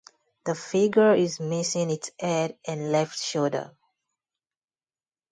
The figure is missing its head and left shoulder.